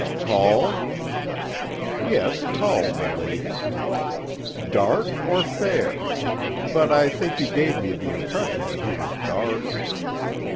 "Tall?" "Yes, tall, my lady." "Dark or fair? But I think you gave me the impression that he was dark."